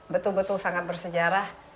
betul betul sangat bersejarah